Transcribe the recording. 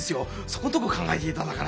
そこんとこ考えていただかないと。